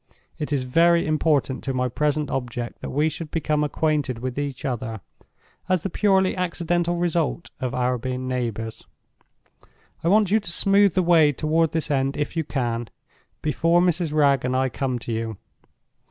It is very important to my present object that we should become acquainted with each other—as the purely accidental result of our being near neighbors. I want you to smooth the way toward this end if you can, before Mrs. Wragge and I come to you.